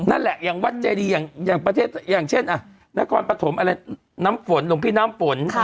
นั่นแหละอย่างวัดเจดีอย่างประเทศอ่ะอย่างเช่นอ่ะนักวัดประถมน้ำผลหลวงพี่น้ำผล